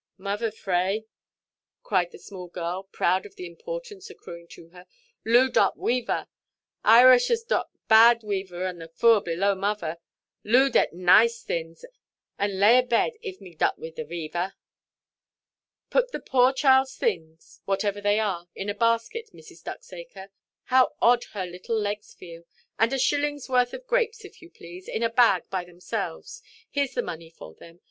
"Mother fray," cried the small girl, proud of the importance accruing to her, "Loo dot wever; Irishers dot bad wever on the foor below mother. Loo det nice thins, and lay abed, if me dot the wever." "Put the poor childʼs things, whatever they are, in a basket, Mrs. Ducksacre. How odd her little legs feel! And a shillingʼs worth of grapes, if you please, in a bag by themselves. Hereʼs the money for them.